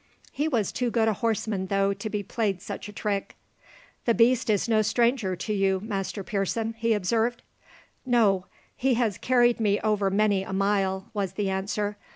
He was too good a horseman though to be played such a trick. "The beast is no stranger to you, Master Pearson," he observed. "No; he has carried me over many a mile," was the answer.